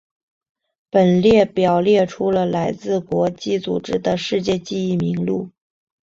本列表列出了来自国际组织的世界记忆名录。